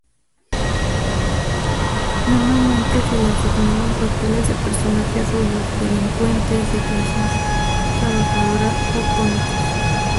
Normalmente se le asignaban papeles de personajes rudos, delincuentes, de clase trabajadora o cómicos.